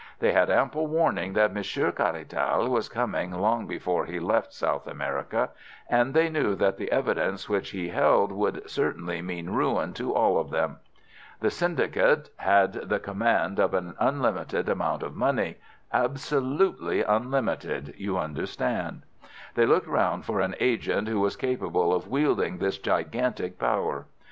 They had ample warning that Monsieur Caratal was coming long before he left South America, and they knew that the evidence which he held would certainly mean ruin to all of them. The syndicate had the command of an unlimited amount of money—absolutely unlimited, you understand. They looked round for an agent who was capable of wielding this gigantic power.